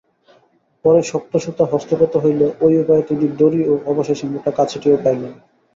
পরে শক্ত সুতা হস্তগত হইলে ঐ উপায়ে তিনি দড়ি ও অবশেষে মোটা কাছিটিও পাইলেন।